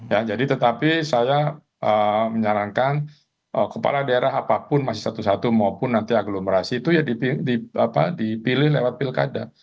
ya jadi tetapi saya menyarankan kepala daerah apapun masih satu satu maupun nanti aglomerasi itu ya dipilih lewat pilkada